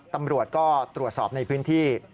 ตำรวจก็ตรวจสอบในพื้นที่